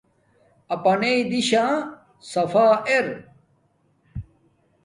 اپناݵ دیشا صفا ارا